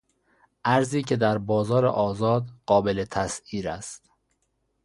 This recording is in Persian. ارزی که در بازار آزاد قابل تسعیر است.